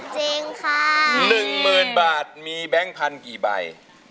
๑๐๐๐๐จริงค่ะ๑๐๐๐๐บาทมีแม่งฟันกี่ใบ